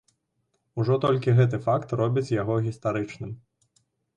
Ужо толькі гэты факт робіць яго гістарычным.